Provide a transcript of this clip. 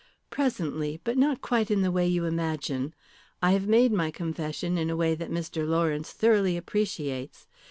Presently, but not quite in the way you imagine. I have made my confession in a way that Mr. Lawrence thoroughly appreciates.